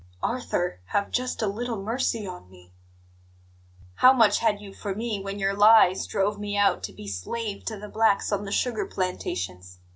"Arthur, have just a little mercy on me " "How much had you for me when your lies drove me out to be slave to the blacks on the sugar plantations?